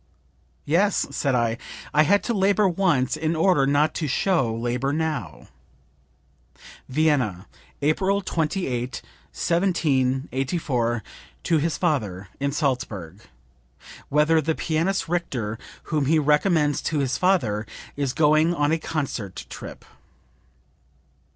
'Yes,' said I, 'I had to labor once in order not to show labor now.' " (Vienna, April 28, 1784, to his father in Salzburg, whither the pianist Richter, whom he recommends to his father, is going on a concert trip.)